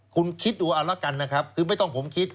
คุณคิดดูเอาละกันนะครับคือไม่ต้องผมคิด